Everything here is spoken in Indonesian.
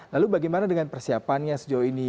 lalu bagaimana dengan persiapannya sejauh ini